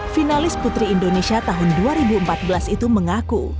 finalis putri indonesia tahun dua ribu empat belas itu mengaku